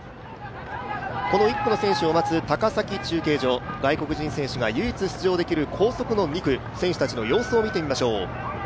この１区の選手を待つ高崎中継所、外国人選手が唯一出場できる唯一出場できる高速の２区、選手たちの様子を見てみましょう。